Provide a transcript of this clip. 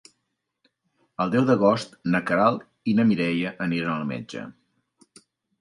El deu d'agost na Queralt i na Mireia aniran al metge.